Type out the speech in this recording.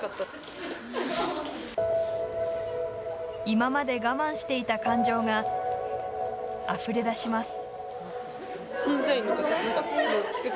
今まで我慢していた感情があふれだします。